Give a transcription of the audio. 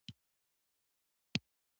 نندارې مو وېډيو کوله.